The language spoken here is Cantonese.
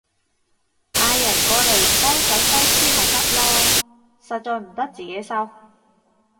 嗌人過嚟幫手收屍咪得囉，實在唔得自己收